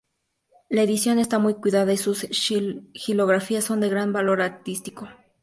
La edición está muy cuidada y sus xilografías son de gran valor artístico.